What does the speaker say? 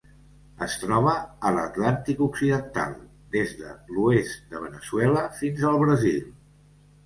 Es troba a l'Atlàntic occidental: des de l'oest de Veneçuela fins al Brasil.